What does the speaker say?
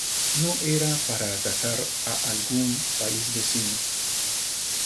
No era para atacar a algún país vecino.